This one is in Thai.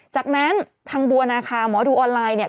จากนั้นทางบัวนาคาหมอดูออนไลน์เนี่ย